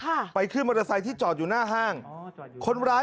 ค่ะไปขึ้นมอเตอร์ไซต์ที่จอดอยู่หน้าห้างอ๋อจอดอยู่คนร้าย